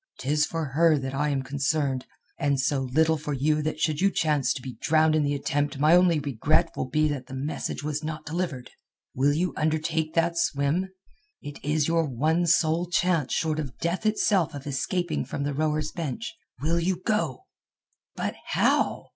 'Tis for her that I am concerned, and so little for you that should you chance to be drowned in the attempt my only regret will be that the message was not delivered. Will you undertake that swim? It is your one sole chance short of death itself of escaping from the rower's bench. Will you go?" "But how?"